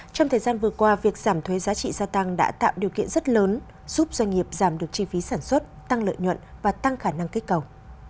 trong thời gian vừa qua việc giảm thuế giá trị gia tăng đã tạo điều kiện rất lớn giúp doanh nghiệp giảm được chi phí sản xuất tăng lợi nhuận và tăng khả năng kết cầu